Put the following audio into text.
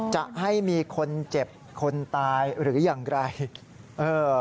จะให้มีคนเจ็บคนตายหรืออย่างไรเออ